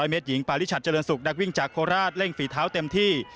เมตรหญิงปาริชัดเจริญสุขนักวิ่งจากโคราชเร่งฝีเท้าเต็มที่